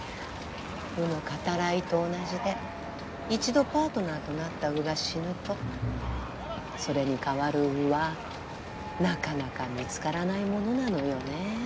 鵜のカタライと同じで一度パートナーとなった鵜が死ぬとそれに代わる鵜はなかなか見つからないものなのよね。